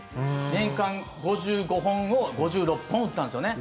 年間５５本を５６本打ったんですよね。